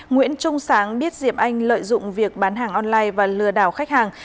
nguyễn trung sáng biết diệp anh lợi dụng việc bán hàng online và lừa đảo khách hàng